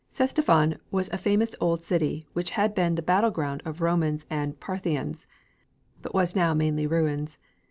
Ctesiphon was a famous old city which had been the battle ground of Romans and Parthians, but was now mainly ruins.